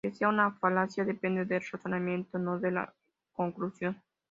Que sea una falacia depende del razonamiento, no de la conclusión.